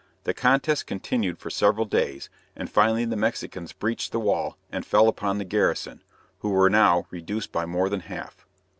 The contest continued for several days, and finally the Mexicans breached the wall and fell upon the garrison, who were now reduced by more than half.